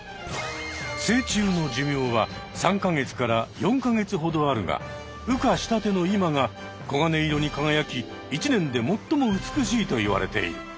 成虫の寿命は３か月から４か月ほどあるが羽化したての今が黄金色に輝き一年で最も美しいといわれている。